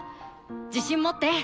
自信持って！